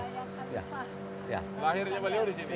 lahirnya balik di sini